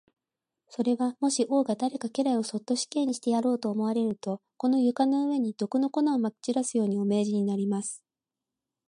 それは、もし王が誰か家来をそっと死刑にしてやろうと思われると、この床の上に、毒の粉をまき散らすように、お命じになります。